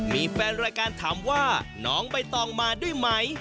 มีแฟนรายการถามว่าน้องใบตองมาด้วยไหม